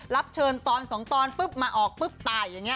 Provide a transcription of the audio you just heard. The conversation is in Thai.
รับเชิญตอน๒ตอนปุ๊บมาออกปุ๊บตายอย่างนี้